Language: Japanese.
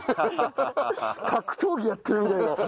格闘技やってるみたい。